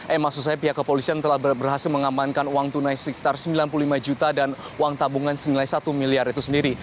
eh maksud saya pihak kepolisian telah berhasil mengamankan uang tunai sekitar sembilan puluh lima juta dan uang tabungan senilai satu miliar itu sendiri